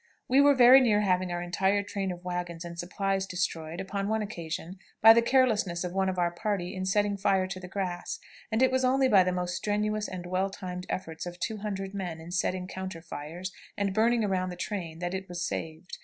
We were very near having our entire train of wagons and supplies destroyed, upon one occasion, by the carelessness of one of our party in setting fire to the grass, and it was only by the most strenuous and well timed efforts of two hundred men in setting counter fires, and burning around the train, that it was saved.